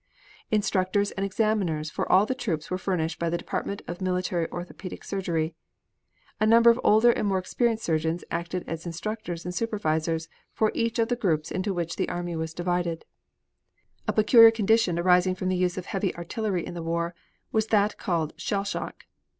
Instructors and examiners for all the troops were furnished by the Department of Military Orthopedic Surgery. A number of older and more experienced surgeons acted as instructors and supervisors for each of the groups into which the army was divided. A peculiar condition arising from the use of heavy artillery in the war was that called "shell shock."